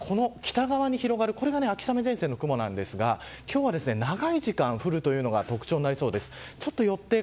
ただ、この北側に広がるこれが秋雨前線の雲ですが今日は長い時間降るというのが特徴になりそうです。